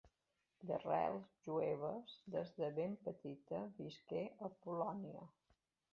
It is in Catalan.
D'arrels jueves, des de ben petita visqué a Polònia.